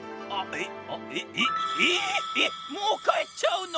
えっもうかえっちゃうの？